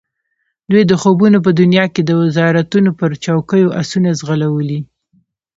دوی د خوبونو په دنیا کې د وزارتونو پر چوکیو آسونه ځغلولي.